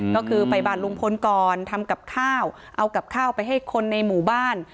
ก็คือไปบ้านลุงพลก่อนทำกับข้าวเอากับข้าวไปให้คนในหมู่บ้าน